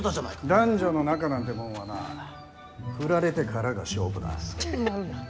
男女の仲なんてもんはな振られてからが勝負だ。